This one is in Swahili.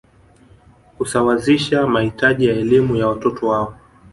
Kusawazisha mahitaji ya elimu ya watoto wao